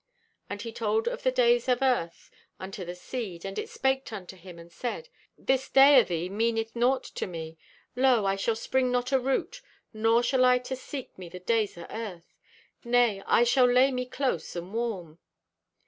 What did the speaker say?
"And he told of the days of Earth unto the seed, and it spaked unto him and said: 'This day o' thee meaneth naught to me. Lo, I shall spring not a root, nor shall I to seek me the days o' Earth. Nay, I shall lay me close and warm.